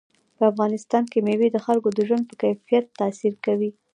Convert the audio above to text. په افغانستان کې مېوې د خلکو د ژوند په کیفیت تاثیر کوي.